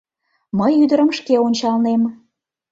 — Мый ӱдырым шке ончалнем.